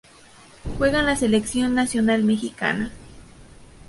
Juega en la Selección Nacional Mexicana.